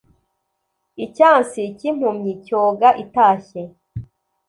icyansi k'impumyi cyoga itashye